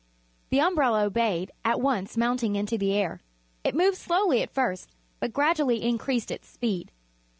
The umbrella obeyed, at once mounting into the air. It moved slowly at first but gradually increased its speed.